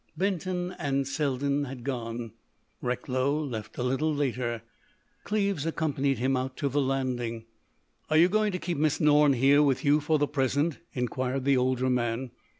Benton and Selden had gone. Recklow left a little later. Cleves accompanied him out to the landing. "Are you going to keep Miss Norne here with you for the present?" inquired the older man.